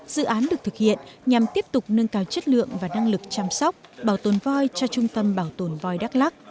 dự án được thực hiện nhằm tiếp tục nâng cao chất lượng và năng lực chăm sóc bảo tồn voi cho trung tâm bảo tồn voi đắk lắc